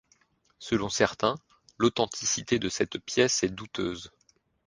Selon certains, l'authenticité de cette pièce est douteuse.